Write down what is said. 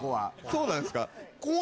そうなんですか？